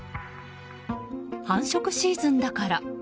繁殖シーズンだから。